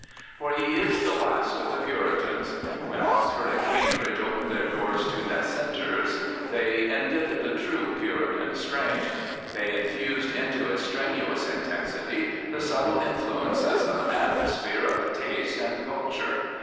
For he is the last of the Puritans. When Oxford and Cambridge opened their doors to Dissenters they ended the true Pixritan strain. They infused into its strenuous intensity the subtle influences of an atmo 99 Prophets, Priests, and Kings sphere of taste and culture.